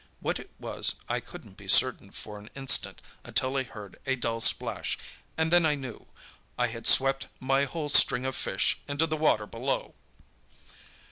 What it was I couldn't be certain for an instant, until I heard a dull splash, and then I knew. I had swept my whole string of fish into the water below!